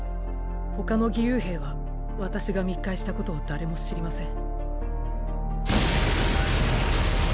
他の義勇兵は私が密会したことを誰も知りません。